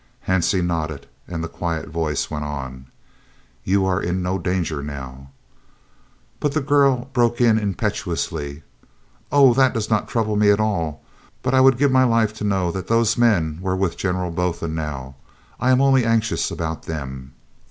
Hansie nodded, and the quiet voice went on: "You are in no danger now " But the girl broke in impetuously: "Oh, that does not trouble me at all, but I would give my life to know that those men were with General Botha now. I am only anxious about them."